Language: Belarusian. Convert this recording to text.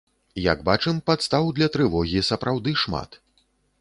Як бачым, падстаў для трывогі сапраўды шмат.